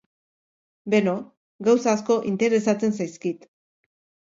Beno, gauza asko interesatzen zaizkit.